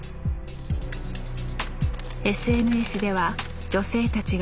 ＳＮＳでは女性たちが＃